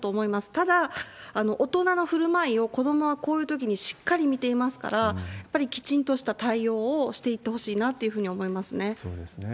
ただ、大人のふるまいを子どもはこういうときにしっかり見ていますから、やっぱりきちんとした対応をしていってほしいなというふうに思いそうですね。